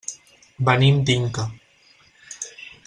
Venim d'Inca.